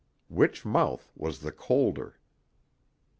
Which mouth was the colder?